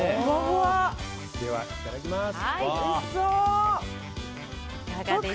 いただきます。